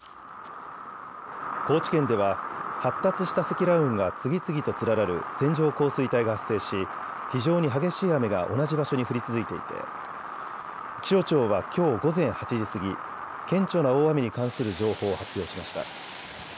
高知県では発達した積乱雲が次々と連なる線状降水帯が発生し非常に激しい雨が同じ場所に降り続いていて気象庁はきょう午前８時過ぎ、顕著な大雨に関する情報を発表しました。